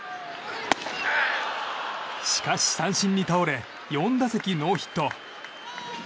しかし、三振に倒れ４打席ノーヒット。